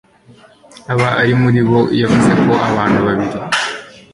aba ari muri bo. Yavuze ko "abantu babiri